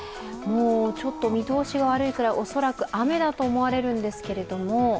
見通しが悪いから恐らく雨だと思われるんですけれども。